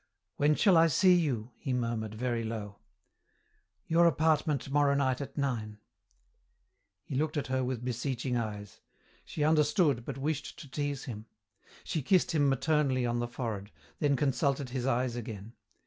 "When shall I see you?" he murmured, very low. "Your apartment tomorrow night at nine." He looked at her with beseeching eyes. She understood, but wished to tease him. She kissed him maternally on the forehead, then consulted his eyes again.